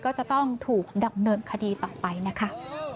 ก็จะต้องถูกดำเนินคดีต่อไปนะคะ